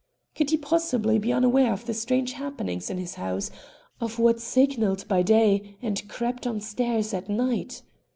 Could he possibly be unaware of the strange happenings in his house, of what signalled by day and crept on stairs at night?